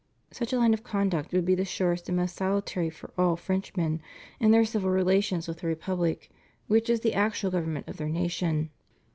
Such a line of conduct would be the surest and most salutary for all Frenchmen in their civil relations with the republic, which is the actual government of their nation.